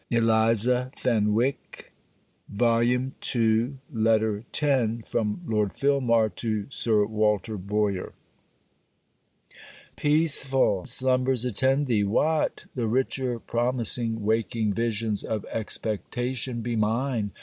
Ever, ever, thy SIBELLA LETTER X FROM LORD FILMAR TO SIR WALTER BOYER Peaceful slumbers attend thee, Wat! The richer promising waking visions of expectation be mine!